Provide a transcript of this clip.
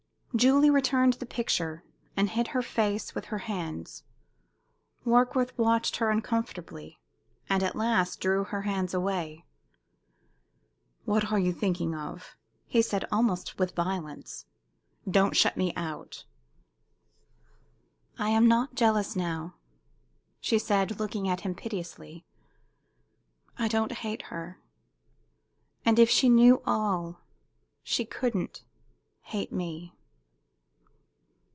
Julie returned the little picture, and hid her face with her hands. Warkworth watched her uncomfortably, and at last drew her hands away. "What are you thinking of?" he said, almost with violence. "Don't shut me out!" "I am not jealous now," she said, looking at him piteously. "I don't hate her. And if she knew all she couldn't hate me."